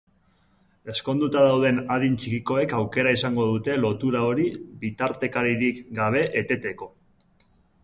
Ezkonduta dauden adin txikikoek aukera izango dute lotura hori bitartekaririk gabe eteteko.